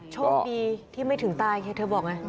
โชคดีที่ไม่ถึงตายไงเธอบอกไง